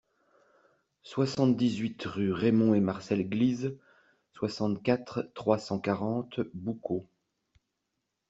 soixante-dix-huit rue Raymond et Marcel Glize, soixante-quatre, trois cent quarante, Boucau